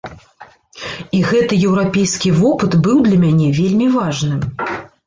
І гэты еўрапейскі вопыт быў для мяне вельмі важным.